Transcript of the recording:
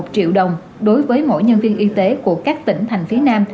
một triệu đồng đối với mỗi nhân viên y tế của các tỉnh thành phía nam